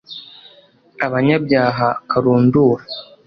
abanyabyaha karundura